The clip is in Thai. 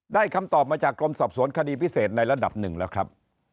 คำตอบมาจากกรมสอบสวนคดีพิเศษในระดับหนึ่งแล้วครับ